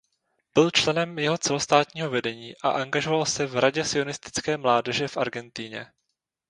Byl členem jeho celostátního vedení a angažoval se v "Radě sionistické mládeže" v Argentině.